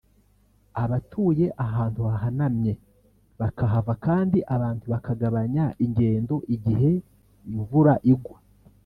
abatuye ahantu hahanamye bakahava kandi abantu bakagabanya ingendo igihe imvura igwa